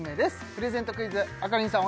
プレゼントクイズアカリンさん